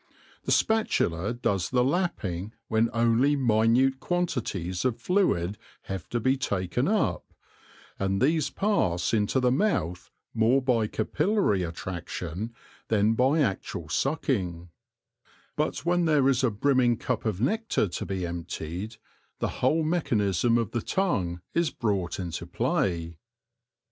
The spatula does the lapping when only minute quantities of fluid have to be taken up, and these pass into the mouth more by capillary attraction than by actual sucking ; but when there is a brimming cup of nectar to be emptied, the whole mechanism of the tongue is brought into play.